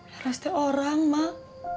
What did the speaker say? harusnya orang mak